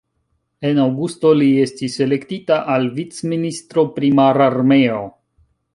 En aŭgusto, li estis elektita al vicministro pri mararmeo.